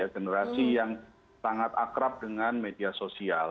generasi yang sangat akrab dengan media sosial